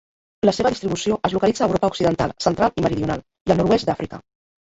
La seva distribució es localitza a Europa occidental, central i meridional i el nord-oest d'Àfrica.